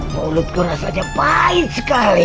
mulutku rasanya pahit sekali